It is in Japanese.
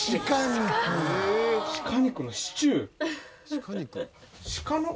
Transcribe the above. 鹿肉のシチュー！